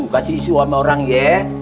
kasih isu sama orang ye